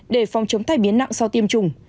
để phòng chống thay biến nặng sau tiêm chủng